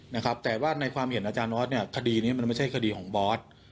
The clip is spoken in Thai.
นะครับแต่ว่าในความเห็นอาจารย์ออสเนี่ยคดีนี้มันไม่ใช่คดีของบอส